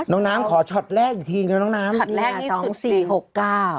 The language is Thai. น้องน้ำขอชอตแรกอีกทียังไงน้องน้ำชอตแรกนี่สุดจริง